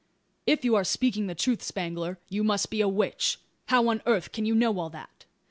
"If you are speaking the truth, Spangler, you must be a witch. How on earth can you know all that?"